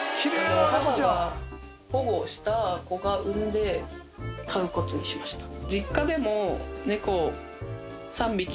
母が保護した子が生んで飼うことにしました。